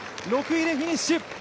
６位でフィニッシュ。